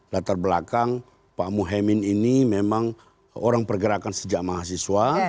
latar belakang pak muhyemin ini memang orang pergerakan sejak mahasiswa